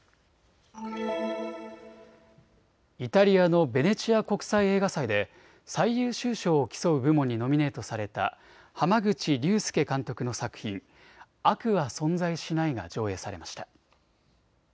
イタリアのベネチア国際映画祭で最優秀賞を競う部門にノミネートされた濱口竜介監督の作品、悪は存在しないが上映されました。